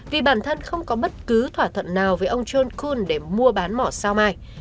vì bản thân không có bất cứ thỏa thuận nào với ông john kun để mua bán mỏ sao mai